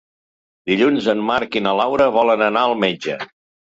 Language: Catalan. Dilluns en Marc i na Laura volen anar al metge.